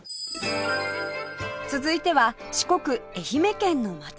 続いては四国愛媛県の松山